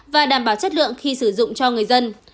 và đảm bảo chất lượng khi sử dụng cho người dân